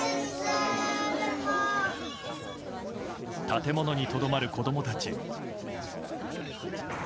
建物にとどまる子供たち。